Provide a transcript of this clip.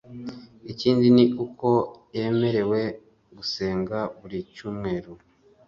ikindi ni uko yemerewe gusenga buri cyumweru